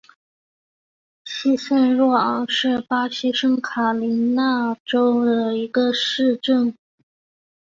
西圣若昂是巴西圣卡塔琳娜州的一个市镇。